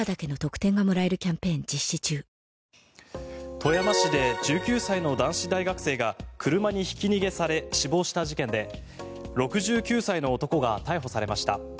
富山市で１９歳の男子大学生が車にひき逃げされ死亡した事件で、６９歳の男が逮捕されました。